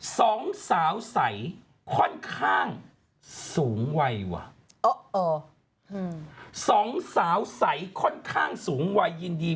สองสาวใส่ค่อนข้างสูงวัยว่ะสองสาวใส่ค่อนข้างสูงวัย